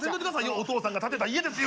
お父さんが建てた家ですよ。